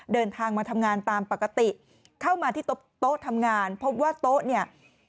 เดินทางมาทำงานตามปกติเข้ามาที่โต๊ะทำงานพบว่าโต๊ะเนี่ย